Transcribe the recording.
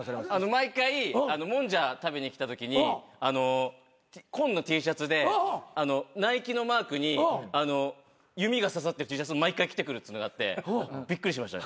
毎回もんじゃ食べに来たときに紺のＴシャツでＮＩＫＥのマークに弓が刺さってるＴシャツ毎回着てくるっつうのがあってびっくりしました。